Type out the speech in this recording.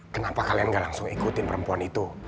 kenapa kalian gak langsung ikutin perempuan itu